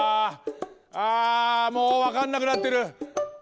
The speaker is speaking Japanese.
あもうわかんなくなってる！